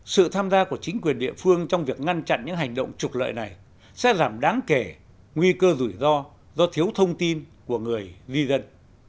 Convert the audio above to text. sự tham gia của chính quyền địa phương trong việc ngăn chặn những hành động trục lợi này sẽ giảm đáng kể nguy cơ rủi ro do thiếu thông tin của người di dân